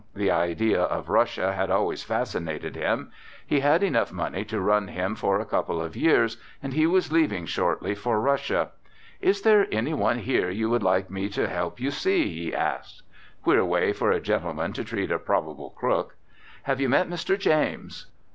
The idea of Russia had always fascinated him; he had enough money to run him for a couple of years, and he was leaving shortly for Russia. "Is there any one here you would like me to help you to see?" he asked. Queer way for a gentleman to treat a probable crook. "Have you met Mr. James?"